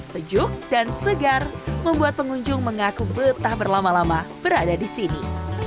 sejuk dan segar membuat pengunjung mengaku betah berlama lama berada di sini